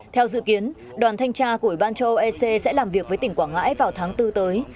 theo dự kiến đoàn thanh tra của ủy ban châu âu ec sẽ làm việc với tỉnh quảng ngãi vào tháng bốn tới